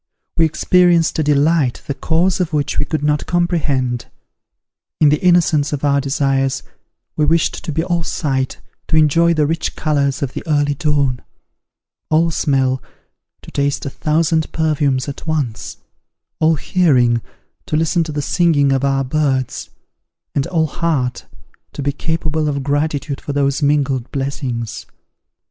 We experienced a delight, the cause of which we could not comprehend. In the innocence of our desires, we wished to be all sight, to enjoy the rich colours of the early dawn; all smell, to taste a thousand perfumes at once; all hearing, to listen to the singing of our birds; and all heart, to be capable of gratitude for those mingled blessings.